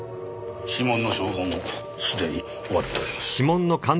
指紋の照合も既に終わっております。